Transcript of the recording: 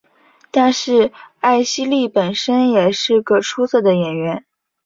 但是艾希莉本身也是个出色的演员。